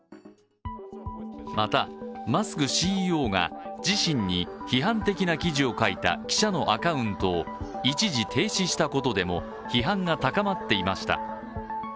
また、マスクＣＥＯが自身に批判的な記事を書いた記者のアカウントを一時停止したことでも批判が高まっていました。